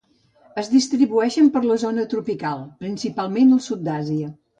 Es distribueixen per la zona tropical, principalment del sud d'Àsia.